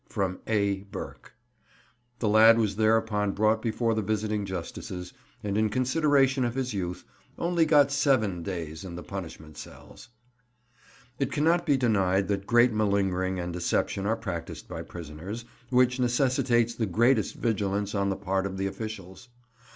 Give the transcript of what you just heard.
From A. Burke." The lad was thereupon brought before the visiting justices, and in consideration of his youth only got seven days in the punishment cells. It cannot be denied that great malingering and deception are practised by prisoners, which necessitates the greatest vigilance on the part of the officials.